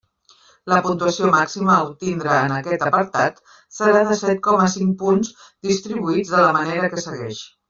La puntuació màxima a obtindre en aquest apartat serà de set coma cinc punts distribuïts de la manera que segueix.